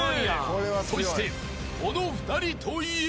そしてこの２人といえば］